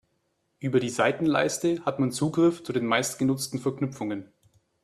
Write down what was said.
Über die Seitenleiste hat man Zugriff zu den meistgenutzten Verknüpfungen.